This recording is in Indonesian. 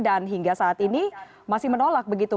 dan hingga saat ini masih menolak begitu